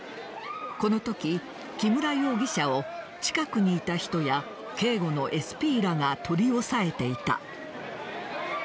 このとき、木村容疑者を近くにいた人や警護のＳＰらが取り押さえていた。